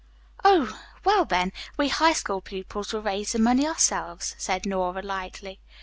"Oh, well, then, we High School pupils will raise the money ourselves," said Nora lightly.